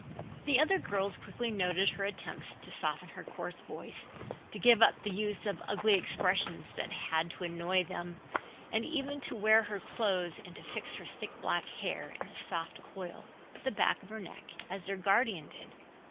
The other girls quickly noted her attempts to soften her coarse voice, to give up the use of the ugly expressions that had so annoyed them and even to wear her clothes and to fix her thick black hair in a soft coil at the back of her neck as their guardian did.